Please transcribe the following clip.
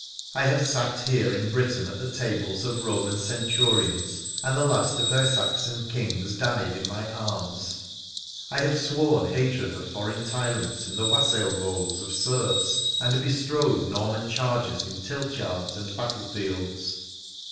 I have sat here in Britain at the tables of Eoman Centurions, and the last of her Saxon Kings died in my arms. I have sworn hatred of foreign tyrants in the wassail bowls of serfs, and bestrode Norman chargers in tiltyards and battle fields.